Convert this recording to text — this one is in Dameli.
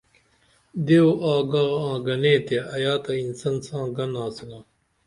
دیو آگا آں گنے تے ایا تہ انسن ساں گن آڅِنا